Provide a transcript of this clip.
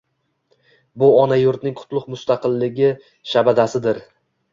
Bu ona yurtimning qutlugʻ mustaqilligi shabadasidir…